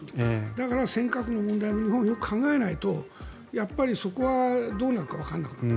だから尖閣の問題も日本はよく考えないとそこはどうなるかわからなくなる。